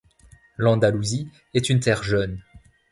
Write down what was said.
L'Andalousie est une terre jeune.